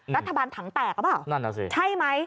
รัฐบาลถังแตกก็เปล่า